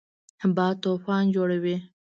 باد طوفان جوړوي